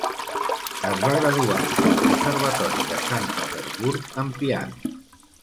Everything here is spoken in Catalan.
Es va graduar al Conservatori de Sant Petersburg en piano.